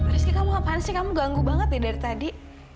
rizky kamu ngapain sih kamu ganggu banget nih dari tadi